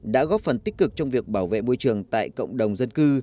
đã góp phần tích cực trong việc bảo vệ môi trường tại cộng đồng dân cư